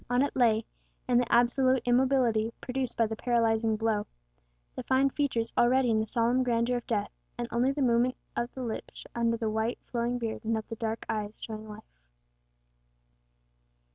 On it lay, in the absolute immobility produced by the paralysing blow, the fine features already in the solemn grandeur of death, and only the movement of the lips under the white flowing beard and of the dark eyes showing life.